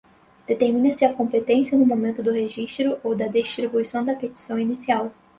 Determina-se a competência no momento do registro ou da distribuição da petição inicial